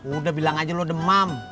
udah bilang aja lo demam